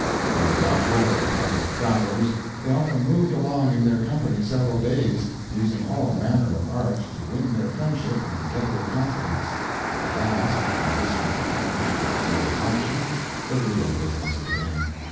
When they got hold of a party of travelers they often moved along in their company several days, using all manner of arts to win their friendship and get their confidence. At last, when this was accomplished to their satisfaction, the real business began.